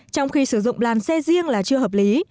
trong khi sử dụng làn xe riêng là chưa hợp lý